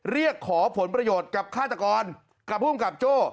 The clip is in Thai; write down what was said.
เรียกขอผลประโยชน์กับฆาตกรกับภูมิกับโจ้